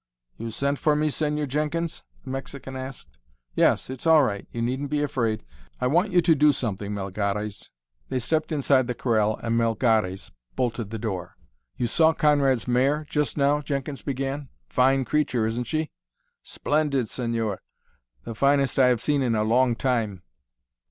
"You sent for me, Señor Jenkins?" the Mexican asked. "Yes. It's all right. You needn't be afraid. I want you to do something, Melgares." They stepped inside the corral and Melgares bolted the door. "You saw Conrad's mare just now?" Jenkins began. "Fine creature, isn't she?" "Splendid, señor. The finest I have seen in a long time."